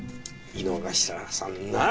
井之頭さんなら。